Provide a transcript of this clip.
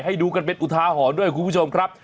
ดูกันเป็นอุทาหรณ์ด้วยคุณผู้ชมครับ